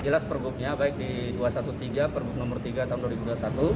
jelas pergubnya baik di dua ratus tiga belas pergub nomor tiga tahun dua ribu dua puluh satu